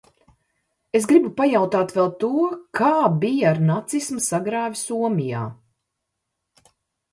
Es gribu pajautāt vēl to: kā bija ar nacisma sagrāvi Somijā?